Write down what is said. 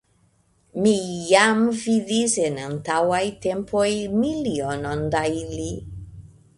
Mi jam vidis en antaŭaj tempoj milionon da ili .